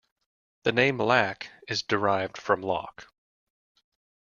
The name 'Lack' is derived from 'Lock'.